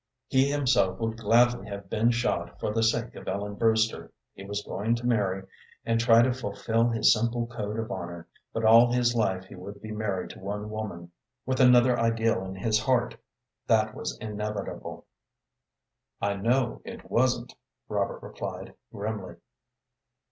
He himself would gladly have been shot for the sake of Ellen Brewster. He was going to marry, and try to fulfill his simple code of honor, but all his life he would be married to one woman, with another ideal in his heart; that was inevitable. "I know it wasn't," Robert replied, grimly.